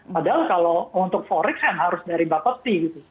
padahal kalau untuk forex kan harus dari bapepti gitu